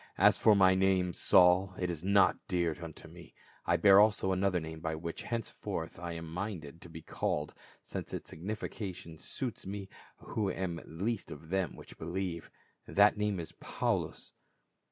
"As for my name, Saul, it is not dear unto me ; I bear also another name by which henceforth I am minded to be called, since its signification suits me, who am least of them which believe ; that name is Paulus."